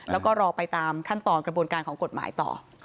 แล้วก็รอไปตามขั้นตอนกระบวนการของกฎหมายต่อ